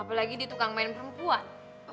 apalagi di tukang main perempuan